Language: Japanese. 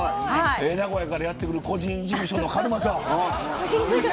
名古屋からやって来る個人事務所のカルマさん。